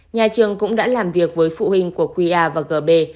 nhà trường cũng đã làm việc với phụ huynh của qr và gb